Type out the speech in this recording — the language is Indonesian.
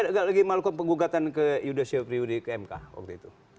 lagi lagi melakukan penggugatan ke yudha syafriudi ke mk waktu itu